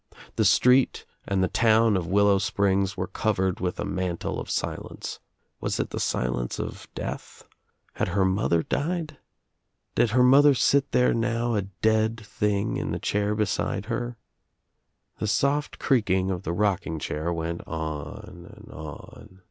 The street and the town of Willow Springs were covered with a mantle of silence. Was it the silence of death? Had her mother died? Did her mother sit there now a dead thing in the chair beside her? The soft creaking of the rocking chair went on and on.